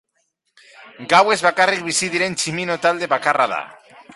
Gauez bakarrik bizi diren tximino talde bakarra da.